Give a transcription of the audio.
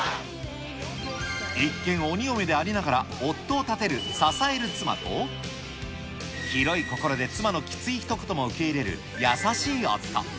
一見鬼嫁でありながら、夫をたてる支える妻と、広い心で妻のきついひと言も優しい夫。